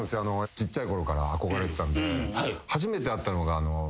ちっちゃい頃から憧れてたんで。